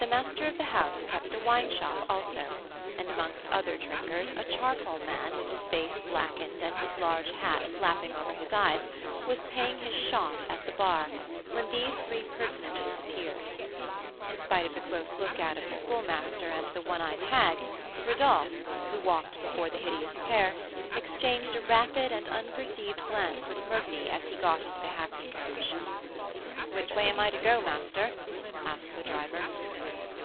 The master of the house kept a wine shop also, and amongst other drinkers, a charcoal man, with his face blackened and his large hat flapping over his eyes, was paying his "shot" at the bar when these three personages appeared. In spite of the close lookout of the Schoolmaster and the one eyed hag, Rodolph, who walked before the hideous pair, exchanged a rapid and unperceived glance with Murphy as he got into the hackney coach. "Which way am I to go, master?" asked the driver.